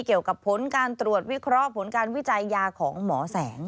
เกี่ยวกับผลการตรวจวิเคราะห์ผลการวิจัยยาของหมอแสง